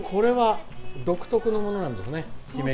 独特のものなんですね。